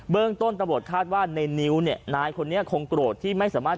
เบื้องต้นตะบดคาดว่าในนิ้วน้ายคนนี้คงโกรธที่ไม่สามารถ